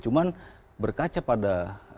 cuman berkaca pada